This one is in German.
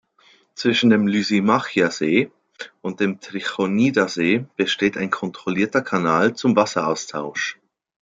Zwischen dem Lysimachia-See und dem Trichonida-See besteht ein kontrollierter Kanal zum Wasseraustausch.